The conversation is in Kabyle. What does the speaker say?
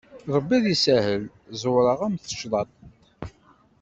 Ṛebbi ad isahel, zewreɣ-am tacḍaṭ.